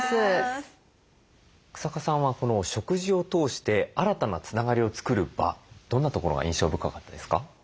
日下さんはこの食事を通して新たなつながりを作る場どんなところが印象深かったですか？